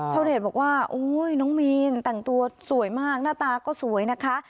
ชาวเน็ตบอกว่าโอ๊ยน้องมีนแต่งตัวสวยมากหน้าตาก็สวยนะคะ